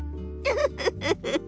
フフフフフフ。